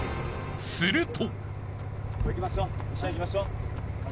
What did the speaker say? ［すると］